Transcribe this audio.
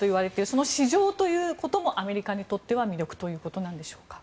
その市場ということもアメリカにとっては魅力ということなんでしょうか。